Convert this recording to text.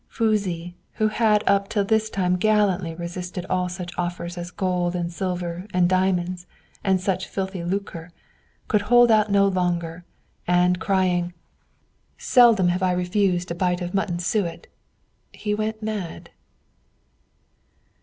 Fusi, who had up to this time gallantly resisted all such offers as gold and silver and diamonds and such filthy lucre, could hold out no longer, and crying, "Seldom have I refused a bite of mutton suet," he went mad.